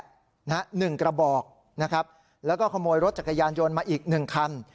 หนึ่งกระบอกนะครับแล้วก็ขโมยรถจักรยานยนต์มาอีกหนึ่งคัน